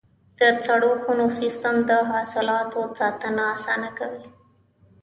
د سړو خونو سیستم د حاصلاتو ساتنه اسانه کوي.